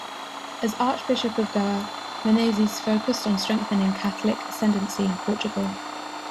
As Archbishop of Goa, Menezes focused on strengthening Catholic ascendancy in Portugal.